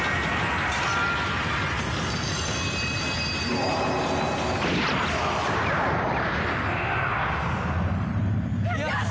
よし！